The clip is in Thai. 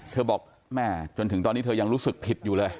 บอกแม่จนถึงตอนนี้เธอยังรู้สึกผิดอยู่เลย